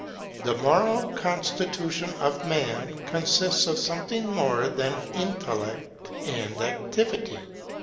The moral constitution of man consists of something more than Intellect and Activity.